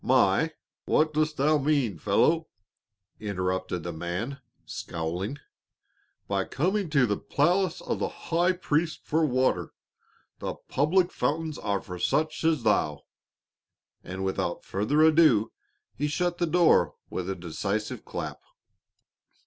my " "What dost thou mean, fellow," interrupted the man, scowling, "by coming to the palace of the High Priest for water? The public fountains are for such as thou." And without further ado he shut the door with a decisive clap.